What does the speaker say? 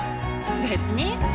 別に。